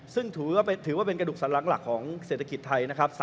ซึ่งถือว่าเป็นกระดูกสันหลังหลักของเศรษฐกิจไทยนะครับ